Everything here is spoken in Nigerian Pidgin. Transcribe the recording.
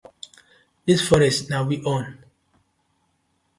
Dis forest na we own.